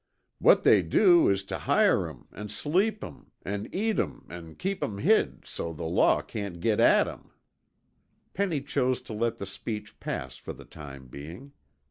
What they do is tuh hire 'em an' sleep 'em an' eat 'em an' keep 'em hid so's the law cain't git at 'em." Penny chose to let the speech pass for the time being.